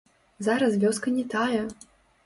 Зараз вёска не тая.